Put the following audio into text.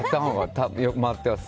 回ってます。